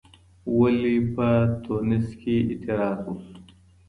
ولي په ټونس کي اعتراض وسو؟